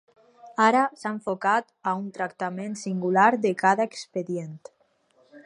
Ara s’ha enfocat a un tractament singular de cada expedient.